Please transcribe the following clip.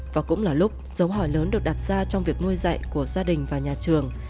và cũng là lúc dấu hỏi lớn được đặt ra trong việc nuôi dạy của gia đình và nhà trường